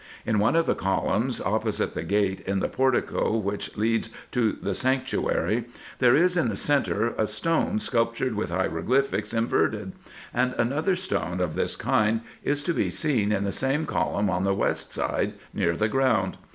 In one of the columns, op posite the gate in the portico which leads to the sanctuary, there is in the centre a stone, sculptured with hieroglyphics inverted ; and another stone of this kind is to be seen in the same column on the west side, near the ground.